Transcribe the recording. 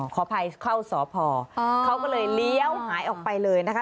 ขออภัยเข้าสพเขาก็เลยเลี้ยวหายออกไปเลยนะคะ